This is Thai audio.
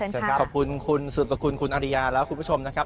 เชิญครับขอบคุณคุณสุบสกุลคุณอริยาและคุณผู้ชมนะครับ